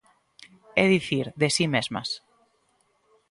É dicir, de si mesmas.